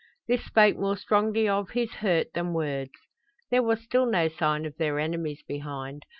This spoke more strongly of his hurt than words. There was still no sign of their enemies behind.